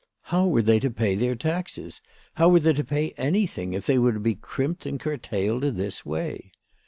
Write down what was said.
How were they to pay their taxes, how were they to pay anything, if they were to be crimped and curtailed in this way